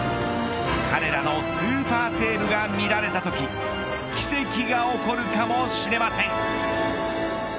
彼らのスーパーセーブが見られたとき奇跡が起こるかもしれません。